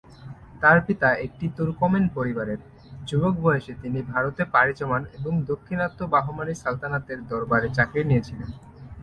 তাঁর পিতা একটি তুর্কমেন পরিবারের, যুবক বয়সে তিনি ভারতে পাড়ি জমান এবং দাক্ষিণাত্য বাহমানি সালতানাতের দরবারে চাকরি নিয়েছিলেন।